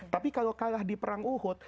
tapi kalau kalah di perang uhud